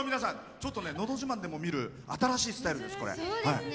ちょっと「のど自慢」でも見る新しいスタイルですね。